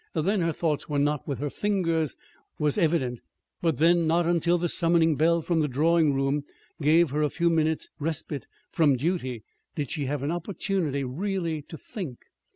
That her thoughts were not with her fingers was evident; but not until the summoning bell from the drawing room gave her a few minutes' respite from duty did she have an opportunity really to think.